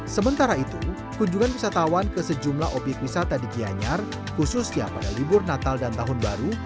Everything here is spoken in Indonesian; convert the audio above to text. sementara itu kunjungan wisatawan ke sejumlah obyek wisata di gianyar khususnya pada libur natal dan tahun baru